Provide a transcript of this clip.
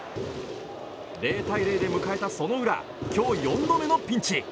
０対０で迎えたその裏今日４度目のピンチ。